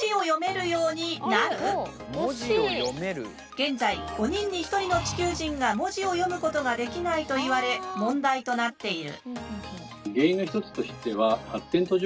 現在５人に１人の地球人が文字を読むことができないと言われ問題となっている。